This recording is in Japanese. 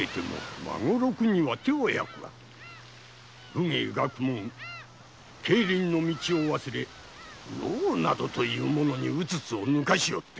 武芸学問経倫の道を忘れ能などにうつつを抜かしおって。